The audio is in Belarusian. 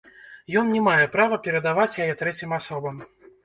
Ён не мае права перадаваць яе трэцім асобам.